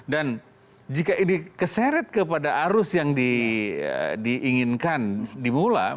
dan jika ini keseret kepada arus yang diinginkan dimulai